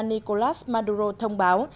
nicolás maduro thông báo